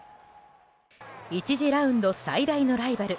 １次ラウンド最大のライバル